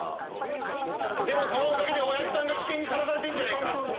でもそのおかげでおやじさんが危険にさらされてんじゃねえか！